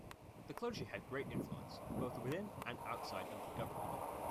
The clergy had great influence, both within and outside of the government.